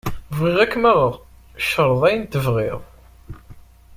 Bɣiɣ ad k-maɣeɣ, creḍ ayen tebɣiḍ.